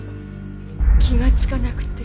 気がつかなくて。